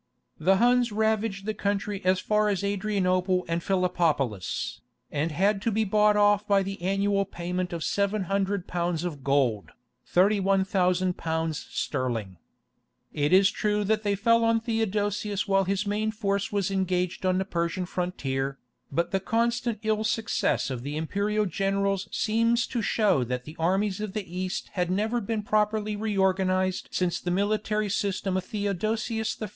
The Huns ravaged the country as far as Adrianople and Philippopolis, and had to be bought off by the annual payment of 700 lbs. of gold [£31,000]. It is true that they fell on Theodosius while his main force was engaged on the Persian frontier, but the constant ill success of the imperial generals seems to show that the armies of the East had never been properly reorganized since the military system of Theodosius I.